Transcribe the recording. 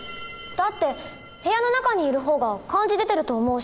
だって部屋の中にいる方が感じ出てると思うし。